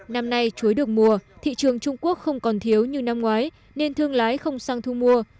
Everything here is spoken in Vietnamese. năm nay chuối được mùa thị trường trung quốc không còn thiếu như năm ngoái nên thương lái không sang thu mua